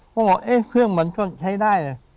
พ่อบอกอ๊ะเครื่องมันก็ใช้ได้